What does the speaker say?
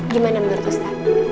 gimana menurut ustaz